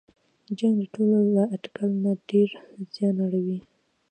جنګ د ټولو له اټکل نه ډېر زیان اړوي.